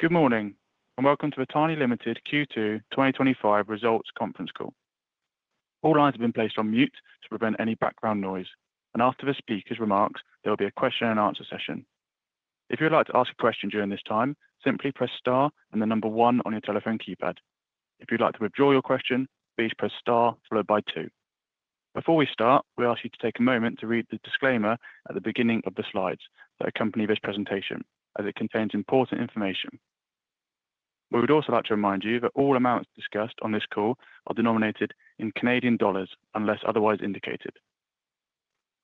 Good morning and welcome to the Tiny Ltd. Q2 2025 Results Conference Call. All lines have been placed on mute to prevent any background noise, and after the speakers' remarks, there will be a question-and-answer session. If you would like to ask a question during this time, simply press Star and the number one on your telephone keypad. If you'd like to withdraw your question, please press Star followed by two. Before we start, we ask you to take a moment to read the disclaimer at the beginning of the slides that accompany this presentation, as it contains important information. We would also like to remind you that all amounts discussed on this call are denominated in Canadian dollars unless otherwise indicated.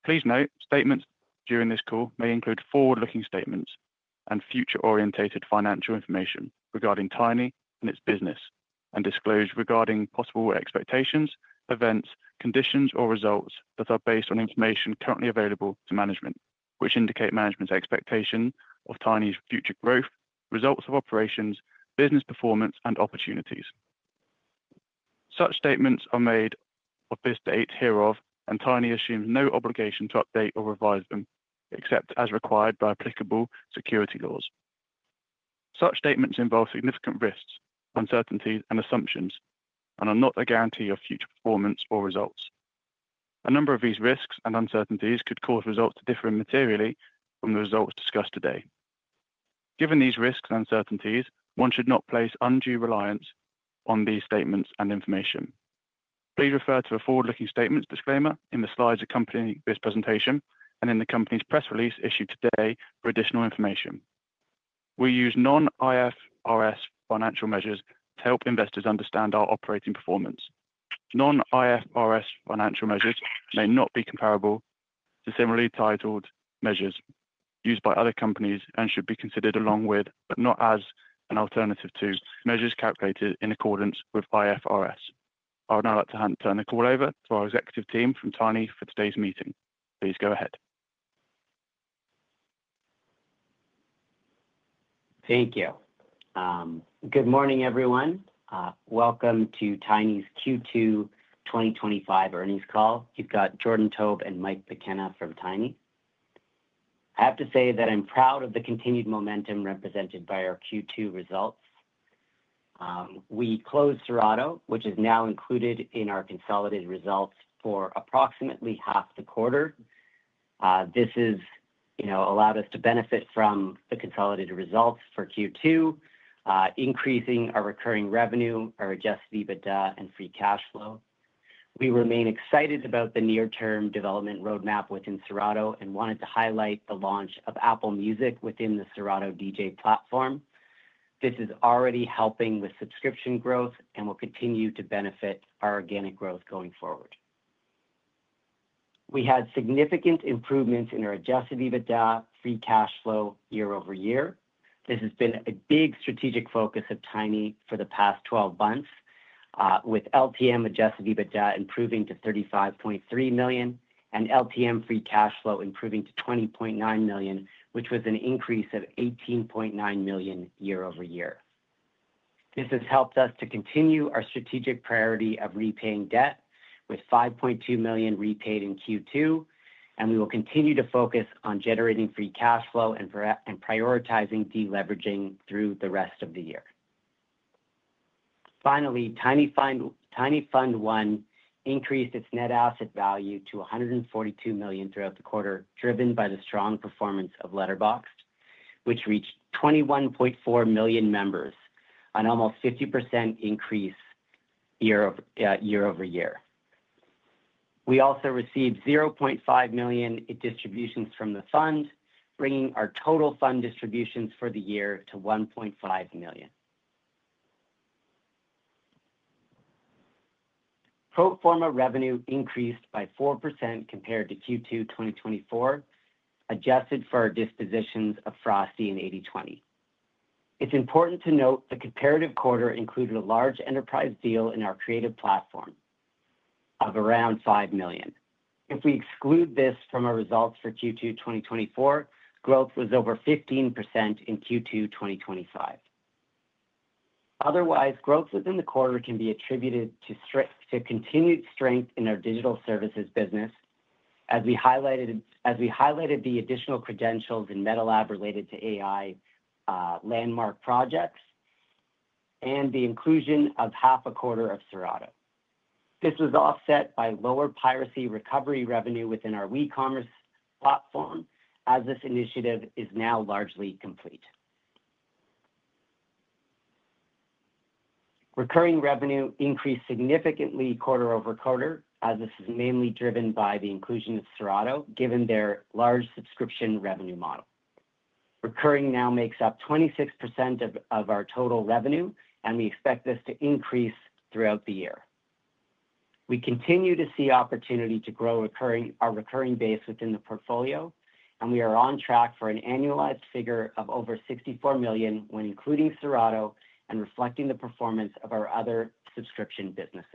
Please note statements during this call may include forward-looking statements and future-oriented financial information regarding Tiny and its business, Disclosure regarding possible expectations, events, conditions, or results that are based on information currently available to management, which indicate management's expectation of Tiny's future growth, results of operations, business performance, and opportunities. Such statements are made as of this date hereof, and Tiny assumes no obligation to update or revise them except as required by applicable securities laws. Such statements involve significant risks, uncertainties, and assumptions, and are not a guarantee of future performance or results. A number of these risks and uncertainties could cause results to differ materially from the results discussed today. Given these risks and uncertainties, one should not place undue reliance on these statements and information. Please refer to the forward-looking statements disclaimer in the slides accompanying this presentation and in the company's press release issued today for additional information. We use non-IFRS financial measures to help investors understand our operating performance. Non-IFRS financial measures may not be comparable to similarly titled measures used by other companies and should be considered along with, but not as an alternative to, measures calculated in accordance with IFRS. I would now like to turn the call over to our executive team from Tiny for today's meeting. Please go ahead. Thank you. Good morning, everyone. Welcome to Tiny's Q2 2025 Earnings call. You've got Jordan Taub and Mike McKenna from Tiny. I have to say that I'm proud of the continued momentum represented by our Q2 results. We closed Serato, which is now included in our consolidated results for approximately half the quarter. This has allowed us to benefit from the consolidated results for Q2, increasing our recurring revenue, our adjusted EBITDA, and free cash flow. We remain excited about the near-term development roadmap within Serato and wanted to highlight the launch of Apple Music within the Serato DJ platform. This is already helping with subscription growth and will continue to benefit our organic growth going forward. We had significant improvements in our adjusted EBITDA free cash flow year over year. This has been a big strategic focus of Tiny for the past 12 months, with LTM adjusted EBITDA improving to $35.3 million and LTM free cash flow improving to $20.9 million, which was an increase of $18.9 million year-over-year. This has helped us to continue our strategic priority of repaying debt, with $5.2 million repaid in Q2, and we will continue to focus on generating free cash flow and prioritizing deleveraging through the rest of the year. Finally, Tiny Fund One increased its net asset value to $142 million throughout the quarter, driven by the strong performance of Letterboxd, which reached 21.4 million members, an almost 50% increase year-over-year. We also received $0.5 million in distributions from the fund, bringing our total fund distributions for the year to $1.5 million. Pro forma revenue increased by 4% compared to Q2 2024, adjusted for our dispositions of Frosty and 8020. It's important to note the comparative quarter included a large enterprise deal in our Creative Platform of around $5 million. If we exclude this from our results for Q2 2024, growth was over 15% in Q2 2025. Otherwise, growth within the quarter can be attributed to continued strength in our Digital Services business, as we highlighted the additional credentials in MetaLab related to AI landmark projects and the inclusion of half a quarter of Serato. This was offset by lower piracy recovery revenue within our e-commerce platform, as this initiative is now largely complete. Recurring revenue increased significantly quarter-over-quarter, as this is mainly driven by the inclusion of Serato, given their large subscription revenue model. Recurring now makes up 26% of our total revenue, and we expect this to increase throughout the year. We continue to see opportunity to grow our recurring base within the portfolio, and we are on track for an annualized figure of over $64 million when including Serato and reflecting the performance of our other subscription businesses.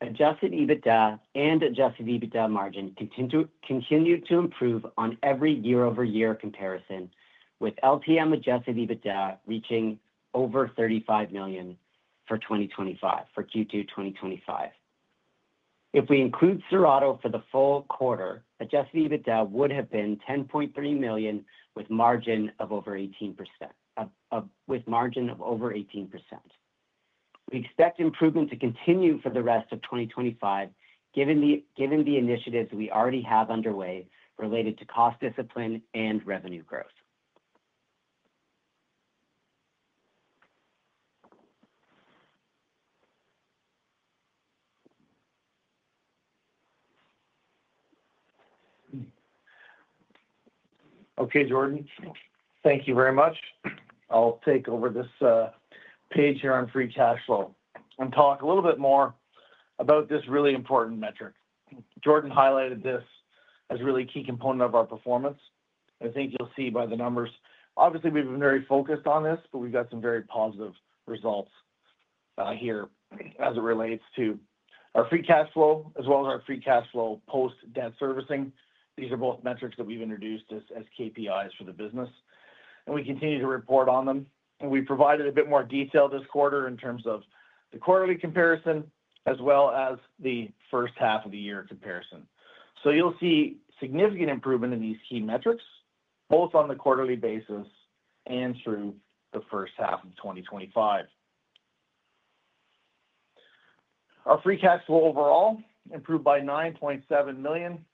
Adjusted EBITDA and adjusted EBITDA margin continue to improve on every year-over-year comparison, with LTM adjusted EBITDA reaching over $35 million for Q2 2025. If we include Serato for the full quarter, adjusted EBITDA would have been $10.3 million with a margin of over 18%. We expect improvement to continue for the rest of 2025, given the initiatives we already have underway related to cost discipline and revenue growth. Okay, Jordan, thank you very much. I'll take over this page here on free cash flow and talk a little bit more about this really important metric. Jordan highlighted this as a really key component of our performance, and I think you'll see by the numbers, obviously we've been very focused on this, but we've got some very positive results here as it relates to our free cash flow, as well as our free cash flow post-debt servicing. These are both metrics that we've introduced as KPIs for the business, and we continue to report on them. We provided a bit more detail this quarter in terms of the quarterly comparison, as well as the first half of the year comparison. You'll see significant improvement in these key metrics, both on the quarterly basis and through the first half of 2025. Our free cash flow overall improved by $9.7 million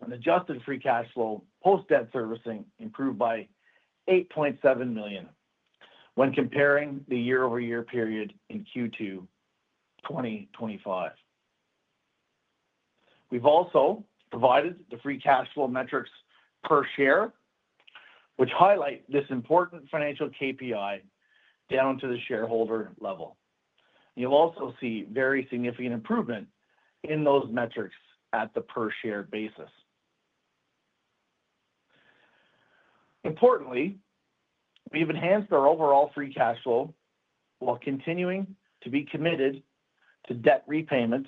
and adjusted free cash flow post-debt servicing improved by $8.7 million when comparing the year-over-year period in Q2 2025. We've also provided the free cash flow metrics per share, which highlight this important financial KPI down to the shareholder level. You'll also see very significant improvement in those metrics at the per share basis. Importantly, we've enhanced our overall free cash flow while continuing to be committed to debt repayment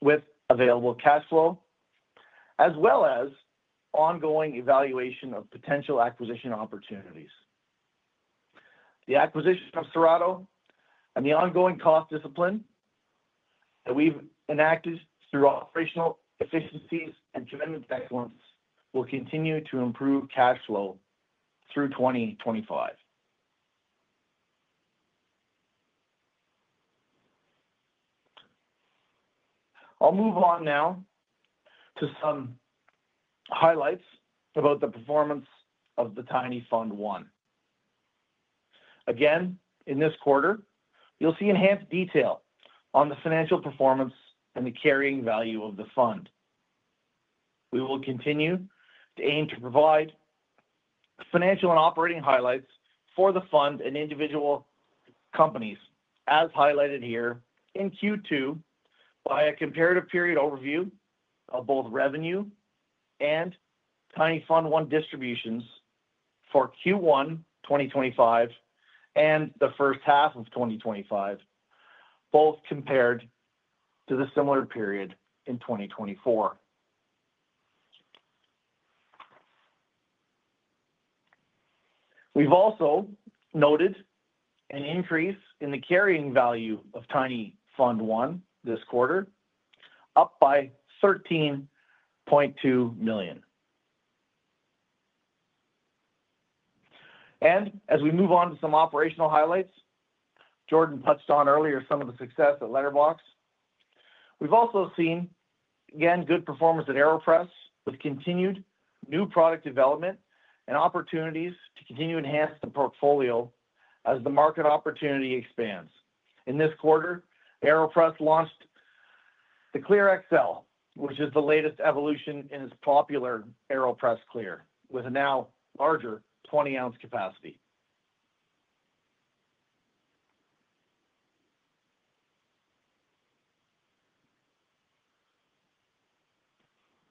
with available cash flow, as well as ongoing evaluation of potential acquisition opportunities. The acquisition of Serato and the ongoing cost discipline that we've enacted through operational efficiencies and driven excellence will continue to improve cash flow through 2025. I'll move on now to some highlights about the performance of the Tiny Fund One. Again, in this quarter, you'll see enhanced detail on the financial performance and the carrying value of the fund. We will continue to aim to provide financial and operating highlights for the fund and individual companies, as highlighted here in Q2, by a comparative period overview of both revenue and Tiny Fund One distributions for Q1 2025 and the first half of 2025, both compared to the similar period in 2024. We've also noted an increase in the carrying value of Tiny Fund One this quarter, up by $13.2 million. As we move on to some operational highlights, Jordan touched on earlier some of the success at Letterboxd. We've also seen again good performance at AeroPress, with continued new product development and opportunities to continue to enhance the portfolio as the market opportunity expands. In this quarter, AeroPress launched the AeroPress Clear XL, which is the latest evolution in its popular AeroPress Clear, with a now larger 20-ounce capacity.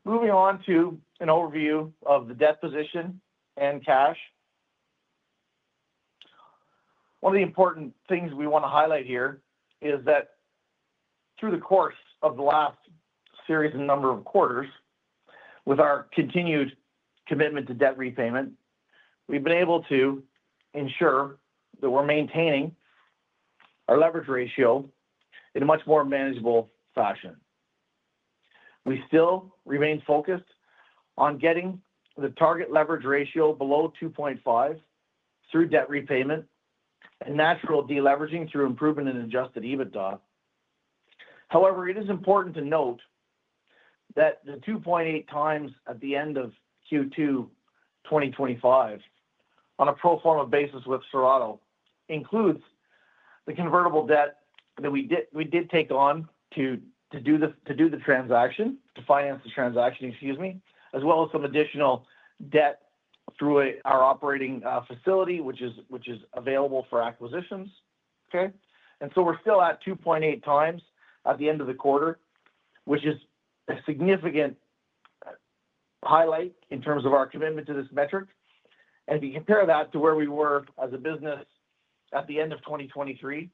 Moving on to an overview of the debt position and cash, one of the important things we want to highlight here is that through the course of the last series of number of quarters, with our continued commitment to debt repayment, we've been able to ensure that we're maintaining our leverage ratio in a much more manageable fashion. We still remain focused on getting the target leverage ratio below 2.5x through debt repayment and natural deleveraging through improvement in adjusted EBITDA. However, it is important to note that the 2.8x at the end of Q2 2025 on a pro forma basis with Serato includes the convertible debt that we did take on to do the transaction, to finance the transaction, as well as some additional debt through our operating facility, which is available for acquisitions. We are still at 2.8x at the end of the quarter, which is a significant highlight in terms of our commitment to this metric. If you compare that to where we were as a business at the end of 2023,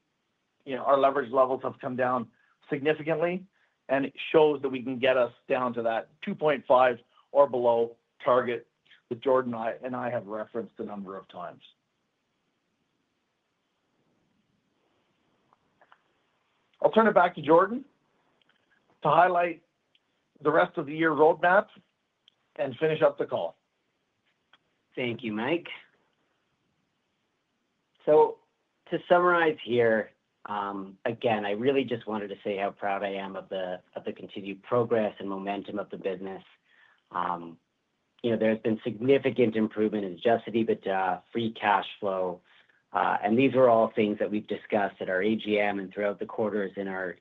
our leverage levels have come down significantly, and it shows that we can get us down to that 2.5x or below target that Jordan and I have referenced a number of times. I'll turn it back to Jordan to highlight the rest of the year roadmap and finish up the call. Thank you, Mike. To summarize here, again, I really just wanted to say how proud I am of the continued progress and momentum of the business. You know, there's been significant improvement in adjusted EBITDA, free cash flow, and these are all things that we've discussed at our AGM and throughout the quarters in our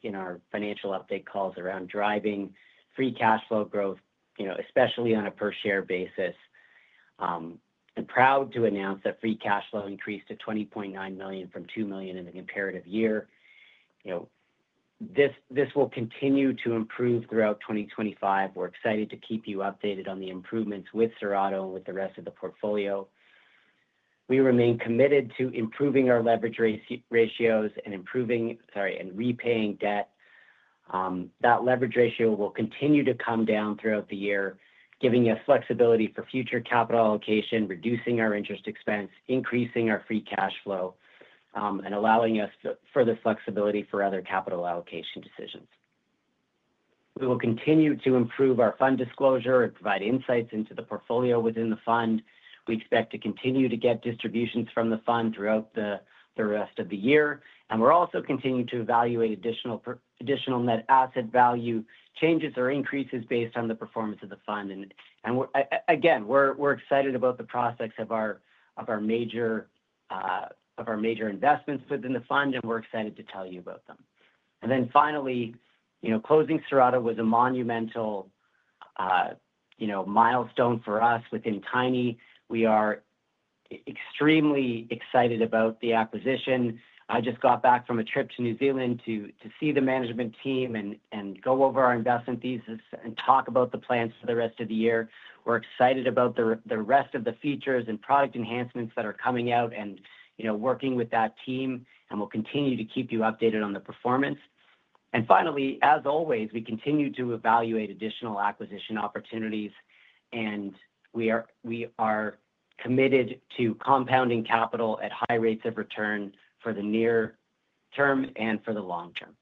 financial update calls around driving free cash flow growth, especially on a per share basis. I'm proud to announce that free cash flow increased to $20.9 million from $2 million in the comparative year. You know, this will continue to improve throughout 2025. We're excited to keep you updated on the improvements with Serato and with the rest of the portfolio. We remain committed to improving our leverage ratios and repaying debt. That leverage ratio will continue to come down throughout the year, giving us flexibility for future capital allocation, reducing our interest expense, increasing our free cash flow, and allowing us further flexibility for other capital allocation decisions. We will continue to improve our fund disclosure and provide insights into the portfolio within the fund. We expect to continue to get distributions from the fund throughout the rest of the year, and we're also continuing to evaluate additional net asset value changes or increases based on the performance of the fund. We're excited about the prospects of our major investments within the fund, and we're excited to tell you about them. Finally, closing Serato was a monumental milestone for us within Tiny. We are extremely excited about the acquisition. I just got back from a trip to New Zealand to see the management team and go over our investment thesis and talk about the plans for the rest of the year. We're excited about the rest of the features and product enhancements that are coming out and working with that team, and we'll continue to keep you updated on the performance. Finally, as always, we continue to evaluate additional acquisition opportunities, and we are committed to compounding capital at high rates of return for the near-term and for the long-term.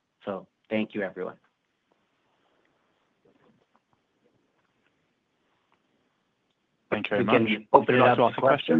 Thank you, everyone. Thank you very much. We can open it up to questions.